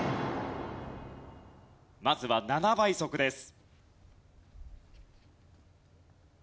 まずは７倍速です。